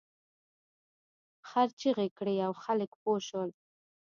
خر چیغې کړې او خلک پوه شول.